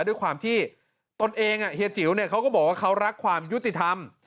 ด้วยความที่ตนเองเฮียจิ๋วเนี่ยเขาก็บอกว่าเขารักความยุติธรรม